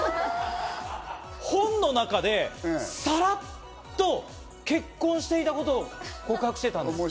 本の中でさらっと結婚していたことを告白していたんです。